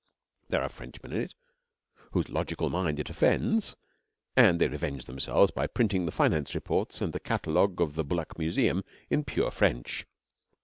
There are Frenchmen in it, whose logical mind it offends, and they revenge themselves by printing the finance reports and the catalogue of the Bulak Museum in pure French.